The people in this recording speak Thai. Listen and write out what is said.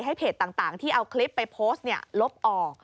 เพจต่างที่เอาคลิปไปโพสต์ลบออก